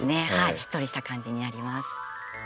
しっとりした感じになります。